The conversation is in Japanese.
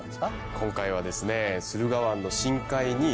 今回はですね。